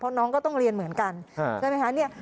เพราะน้องก็ต้องเรียนเหมือนกันใช่ไหมคะเนี่ย